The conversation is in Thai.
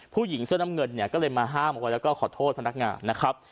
ผู้หญิงเสื้อน้ำเงินเนี่ยก็เลยมาห้ามเอาไว้แล้วก็ขอโทษพนักงานนะครับ